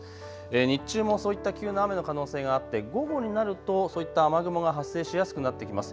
日中もそういった急な雨の可能性があって午後になるとそういった雨雲が発生しやすくなってきます。